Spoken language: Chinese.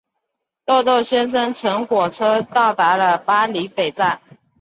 豆豆先生搭乘火车到达巴黎北站。